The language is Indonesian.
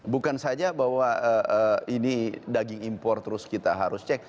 bukan saja bahwa ini daging impor terus kita harus cek